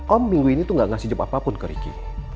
om minggu ini tuh gak ngasih jawab apapun ke ricky